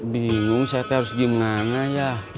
bingung saya harus gimana ya